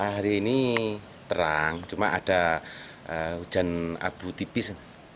hari ini terang cuma ada hujan abu tipis